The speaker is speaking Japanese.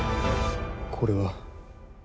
これは。